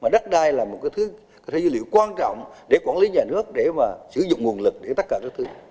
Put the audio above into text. đất đai là một cái dữ liệu quan trọng để quản lý nhà nước để sử dụng nguồn lực để tất cả các thứ